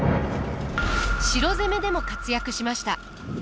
城攻めでも活躍しました。